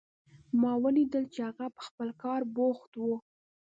ما ولیدل چې هغه په خپل کار بوخت و